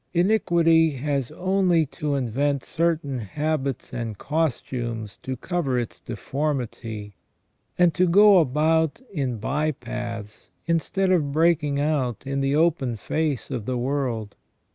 Iniquity has only to invent certain habits and costumes to cover its deformity, and to go about in by paths instead of breaking out in the open face of the world.